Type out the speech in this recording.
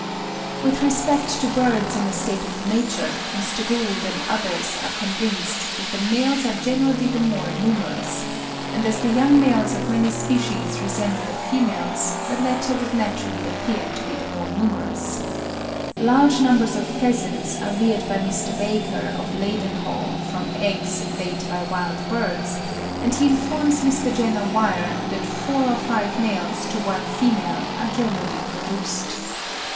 With respect to birds in a state of nature, Mr. Gould and others (62. Brehm ('Thierleben,' B. iv. s. 990) comes to the same conclusion.) are convinced that the males are generally the more numerous; and as the young males of many species resemble the females, the latter would naturally appear to be the more numerous. Large numbers of pheasants are reared by Mr. Baker of Leadenhall from eggs laid by wild birds, and he informs Mr. Jenner Weir that four or five males to one female are generally produced.